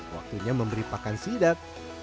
waktunya memberi pakan sidap